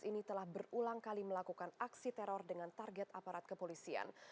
ini telah berulang kali melakukan aksi teror dengan target aparat kepolisian